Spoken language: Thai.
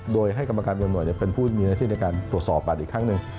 โดยให้กรรมการตำรวจเป็นผู้มีหน้าที่ในการตรวจสอบบัตรอีกครั้งหนึ่ง